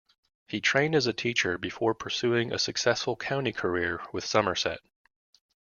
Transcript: He trained as a teacher before pursuing a successful county career with Somerset.